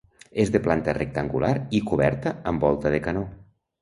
És de planta rectangular i coberta amb volta de canó.